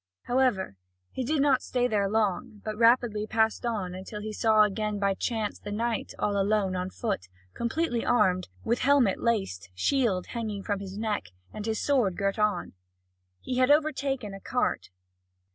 However, he did not stay there long, but rapidly passed on until he saw again by chance the knight all alone on foot, completely armed, with helmet laced, shield hanging from his neck, and with his sword girt on. He had overtaken a cart.